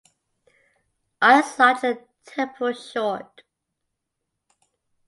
Eyes large and temple short.